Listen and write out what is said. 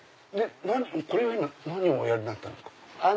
これは今何をおやりになってるんですか？